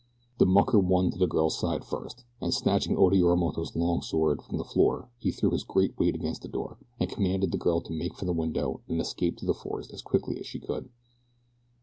The mucker won to the girl's side first, and snatching Oda Yorimoto's long sword from the floor he threw his great weight against the door, and commanded the girl to make for the window and escape to the forest as quickly as she could.